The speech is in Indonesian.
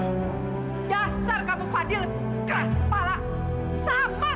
kamu adalah fadil yang lebih keras kepala